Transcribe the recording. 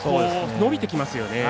伸びてきますよね。